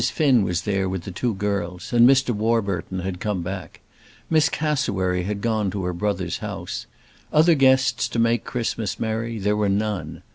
Finn was there with the two girls, and Mr. Warburton had come back. Miss Cassewary had gone to a brother's house. Other guests to make Christmas merry there were none.